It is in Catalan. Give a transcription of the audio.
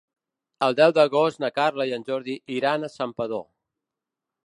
El deu d'agost na Carla i en Jordi iran a Santpedor.